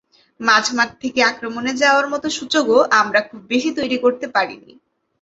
মাঝমাঠ থেকে আক্রমণে যাওয়ার মতো সুযোগও আমরা খুব বেশি তৈরি করতে পারিনি।